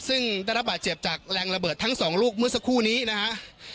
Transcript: ซึ่งได้รับบาดเจ็บจากแรงระเบิดทั้งสองลูกเมื่อสักครู่นี้นะฮะ